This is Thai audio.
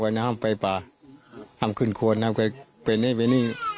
เขาสั่งว่าห้ามไปป่าห้ามขึ้นควนห้ามไปนี่ไปนี่